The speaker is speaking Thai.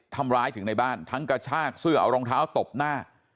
ทำร้ายถึงในบ้านทั้งกระชากเสื้อเอารองเท้าตบหน้า